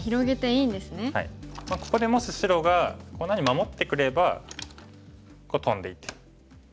ここでもし白がこんなふうに守ってくればトンでいて。